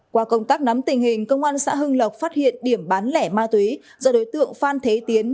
qua công tác nắm tình hình công an xã hưng lộc phát hiện điểm bán lẻ ma túy do đối tượng phan thế tiến